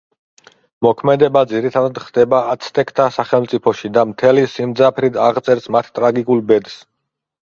მოქმედება ძირითადად ხდება აცტეკთა სახელმწიფოში და მთელი სიმძაფრით აღწერს მათ ტრაგიკულ ბედს.